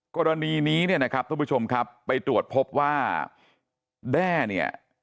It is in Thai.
กรณีนี้เนี่ยนะครับทุกผู้ชมครับไปตรวจพบว่าแด้เนี่ย